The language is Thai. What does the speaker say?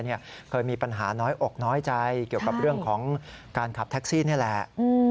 เคยมีปัญหาน้อยอกน้อยใจเกี่ยวกับเรื่องของการขับแท็กซี่นี่แหละ